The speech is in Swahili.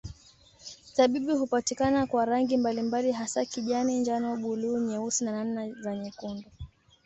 Zabibu hupatikana kwa rangi mbalimbali hasa kijani, njano, buluu, nyeusi na namna za nyekundu.